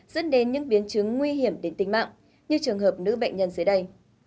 dẫn đến những biến chứng nguy hiểm đến tính mạng như trường hợp nữ bệnh nhân dưới đây